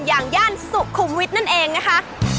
อย่างย่านสุขุมวิทย์นั่นเองนะคะ